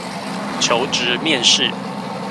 求職面試